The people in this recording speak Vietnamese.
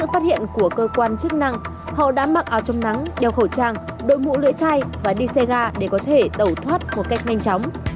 phát hiện của cơ quan chức năng họ đã mặc áo chống nắng đeo khẩu trang đội mũ lựa chai và đi xe ga để có thể tẩu thoát một cách nhanh chóng